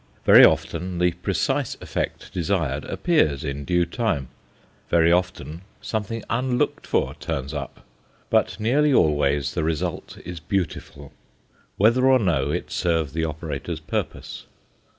Very often the precise effect desired appears in due time; very often something unlooked for turns up; but nearly always the result is beautiful, whether or no it serve the operator's purpose.